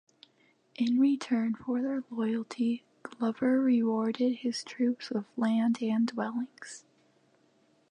In return for their loyalty, Glover rewarded his troops with land and dwellings.